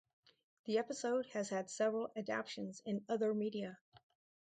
The episode has had several adaptations in other media.